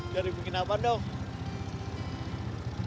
dari penghidupan dong